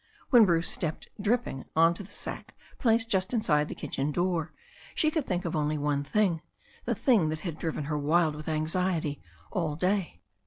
When Bruce stepped dripping on to the sack placed just inside the kitchen door, she could think of only one thing, the thing that had driven her wild with anxiety all day.